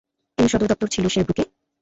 এর সদর দপ্তর ছিল শেরব্রুকে।